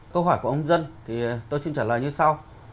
câu hỏi của ông dân thì tôi xin trả lời như sau